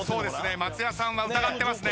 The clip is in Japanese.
松也さんは疑ってますね。